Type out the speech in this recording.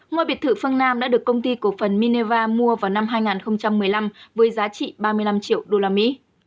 ngôi biệt thự phương nam đã được công ty cổ phần mineva mua vào năm hai nghìn một mươi năm với giá trị ba mươi năm triệu usd